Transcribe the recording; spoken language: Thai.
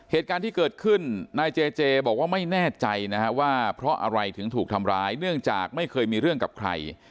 เหตุการณ์ที่เกิดขึ้นนายเจเจบอกว่าไม่แน่ใจนะฮะว่าเพราะอะไรถึงถูกทำร้ายเนื่องจากไม่เคยมีเรื่องกับใคร